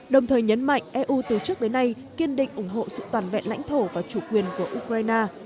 đồng thời nhấn mạnh eu từ trước đến nay kiên định ủng hộ sự toàn vẹn lãnh thổ và chủ quyền của ukraine